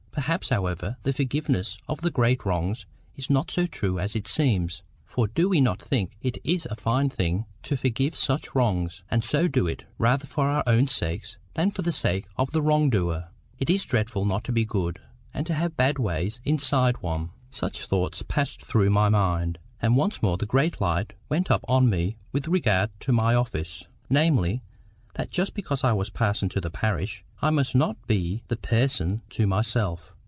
Perhaps, however, the forgiveness of the great wrongs is not so true as it seems. For do we not think it is a fine thing to forgive such wrongs, and so do it rather for our own sakes than for the sake of the wrongdoer? It is dreadful not to be good, and to have bad ways inside one. Such thoughts passed through my mind. And once more the great light went up on me with regard to my office, namely, that just because I was parson to the parish, I must not be THE PERSON to myself.